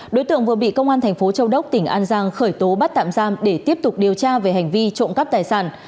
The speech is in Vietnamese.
đối tượng vừa bị công an thành phố châu đốc tỉnh an giang khởi tố bắt tạm giam để tiếp tục điều tra về hành vi trộm cắp tài sản